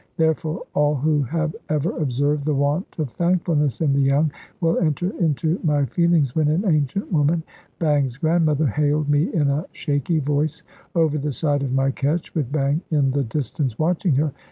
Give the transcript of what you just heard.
Therefore all who have ever observed the want of thankfulness in the young, will enter into my feelings when an ancient woman, Bang's grandmother, hailed me in a shaky voice over the side of my ketch, with Bang in the distance watching her.